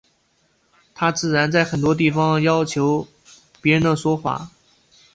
他自然在很多地方要采用别人的说法。